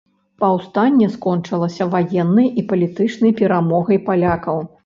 Паўстанне скончылася ваеннай і палітычнай перамогай палякаў.